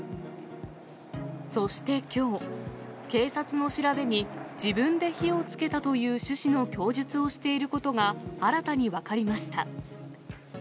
そしてきょう、警察の調べに、自分で火をつけたという趣旨の供述をしていることが新たに分かりました。